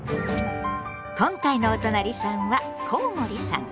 今回のおとなりさんはコウモリさん。